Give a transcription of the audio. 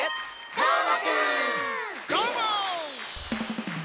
どーも！